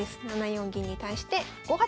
７四銀に対して５八香。